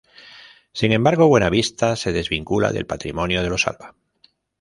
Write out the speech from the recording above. Sin embargo, Buenavista se desvincula del patrimonio de los Alba.